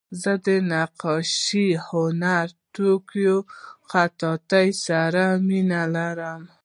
زه له نقاشۍ، هنري توکیو، خطاطۍ سره مینه لرم.